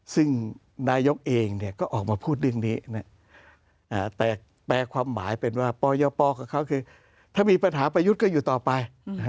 ซึ่งนายกเองก็ออกมาพูดเรื่องนี้แต่แปลความหมายเป็นว่าปยปกับเขาคือถ้ามีปัญหาประยุทธ์ก็อยู่ต่อไป